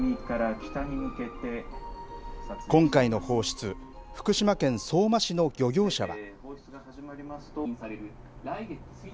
今回の放出福島県相馬市の漁業者は。